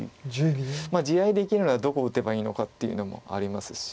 地合いでいけるならどこ打てばいいのかっていうのもありますし。